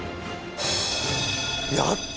やった！